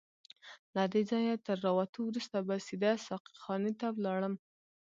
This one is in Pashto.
له دې ځایه تر راوتو وروسته به سیده ساقي خانې ته ولاړم.